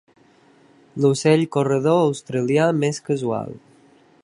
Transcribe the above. L'ocell corredor australià més casual.